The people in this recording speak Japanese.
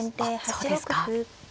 そうですか。